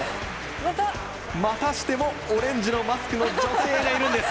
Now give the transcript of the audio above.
またしてもオレンジのマスクの女性がいるんです。